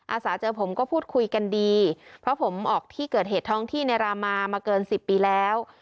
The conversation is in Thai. อาสาเจอผมก็พูดคุยกันดีเพราะผมออกที่เกิดเหตุท้องที่ในรามามาเกิน๑๐ปีแล้ว